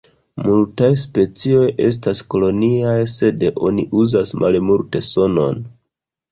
Multaj specioj estas koloniaj sed oni uzas malmulte sonon.